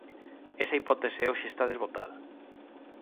Esa hipótese hoxe está desbotada.